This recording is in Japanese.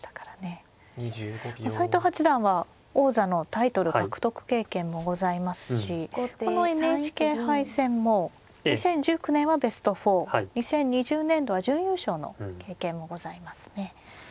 斎藤八段は王座のタイトル獲得経験もございますしこのＮＨＫ杯戦も２０１９年はベスト４２０２０年度は準優勝の経験もございますね。